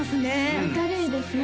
明るいですよね